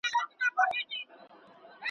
نه ټیک لري په پزه، نه پر سرو شونډو پېزوان.